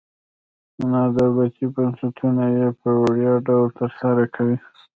نادولتي بنسټونه یې په وړیا ډول تر سره کوي.